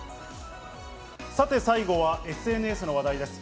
さて最後はＳＮＳの話題です。